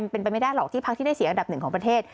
เป็นไปไม่ได้หรอกที่พักที่ได้เสียอันดับหนึ่งของประเทศ